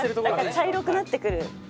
茶色くなってくる。